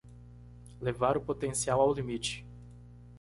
Levar o potencial ao limite